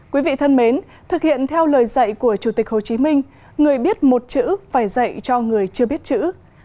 quý vị thân mến thực hiện theo lời dạy của chủ tịch hồ chí minh người biết một chữ phải dạy cho người chưa biết chữ